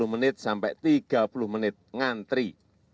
dua puluh menit sampai tiga puluh menit ngantri